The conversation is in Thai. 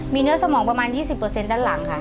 มีเนื้อสมองประมาณ๒๐ด้านหลังค่ะ